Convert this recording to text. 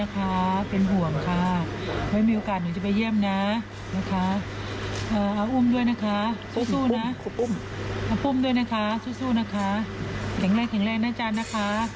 แข็งแรงแข็งแรงนะจ้านะคะ